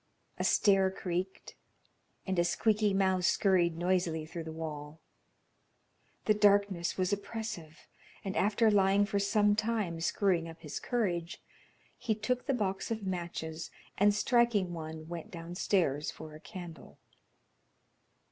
A stair creaked, and a squeaky mouse scurried noisily through the wall. The darkness was oppressive, and after lying for some time screwing up his courage, he took the box of matches, and striking one, went downstairs for a candle.